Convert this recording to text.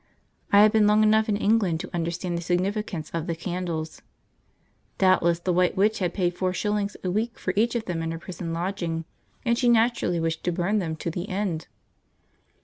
I have been long enough in England to understand the significance of the candles. Doubtless the White Witch had paid four shillings a week for each of them in her prison lodging, and she naturally wished to burn them to the end.